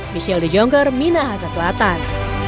michelle de jongker minahasa selatan